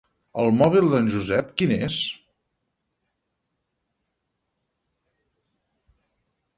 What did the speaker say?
El mòbil d'en Josep, quin és?